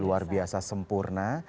luar biasa sempurna